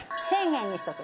１０００円にしとく」